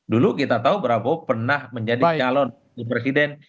dulu kita tahu prabowo pernah menjadi calon presiden